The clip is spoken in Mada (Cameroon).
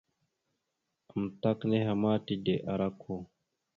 Amətak nehe ma tide ara okko.